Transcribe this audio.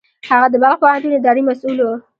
هغه د بلخ پوهنتون اداري مسوول و.